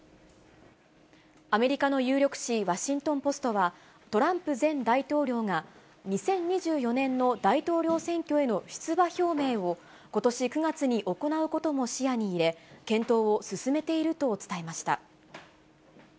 アメリカの有力紙、ワシントンポストは、トランプ前大統領が２０２４年の大統領選挙への出馬表明を、ことし９月に行うことも視野に入れ、検討を進めていると伝えました。